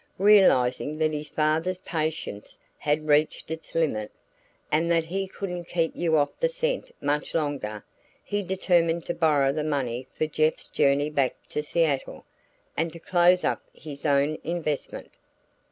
Realizing that his father's patience had reached its limit, and that he couldn't keep you off the scent much longer, he determined to borrow the money for Jeff's journey back to Seattle, and to close up his own investment.